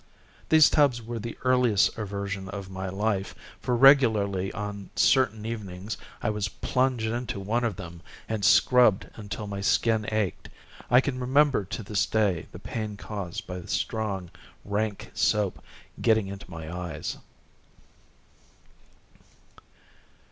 These tubs were the earliest aversion of my life, for regularly on certain evenings I was plunged into one of them and scrubbed until my skin ached. I can remember to this day the pain caused by the strong, rank soap's getting into my eyes.